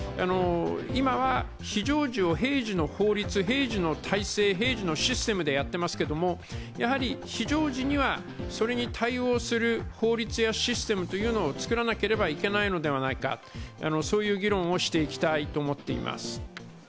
今は非常時を平時の法律、平時の体制、平時のシステムでやっていますけれども、非常時にはそれに対応する法律やシステムを作らなければいけないのではないか、そういう議論をしていきたいと思っています。